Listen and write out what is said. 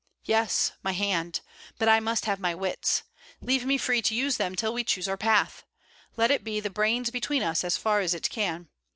Yes, my hand, but I must have my wits. Leave me free to use them till we choose our path. Let it be the brains between us, as far as it can.